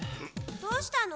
どうしたの？